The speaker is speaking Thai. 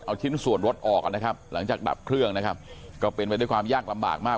เอาชิ้นส่วนรถออกนะครับหลังจากดับเครื่องนะครับก็เป็นไปด้วยความยากลำบากมาก